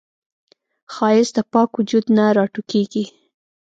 ښایست د پاک وجود نه راټوکېږي